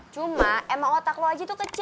cuma emang otak lo aja tuh kecil